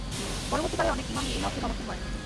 পরবর্তীকালের অনেক ইমামই এই মতকে সমর্থন করেন।